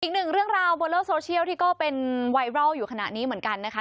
อีกหนึ่งเรื่องราวบนโลกโซเชียลที่ก็เป็นไวรัลอยู่ขณะนี้เหมือนกันนะคะ